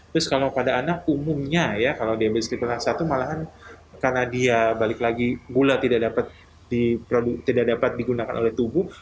terus kalau pada anak umumnya kalau dia bereskipel rasa itu malahan karena dia balik lagi gula tidak dapat digunakan oleh tubuh